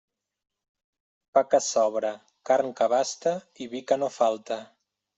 Pa que sobre, carn que abaste i vi que no falte.